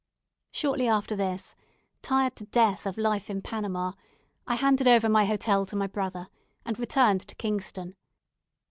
Shortly after this, tired to death of life in Panama, I handed over my hotel to my brother, and returned to Kingston.